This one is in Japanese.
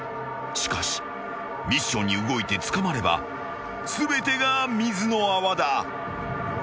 ［しかしミッションに動いて捕まれば全てが水の泡だ］